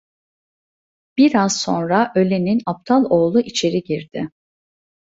Biraz sonra ölenin aptal oğlu içeri girdi.